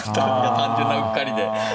単純なうっかりで。